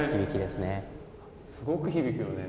すごく響くよね。